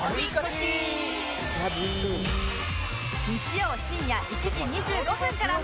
日曜深夜１時２５分から放送